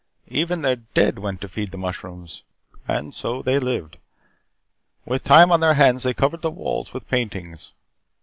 Even their dead went to feed the mushrooms. And so they lived. With time on their hands they covered the walls with paintings.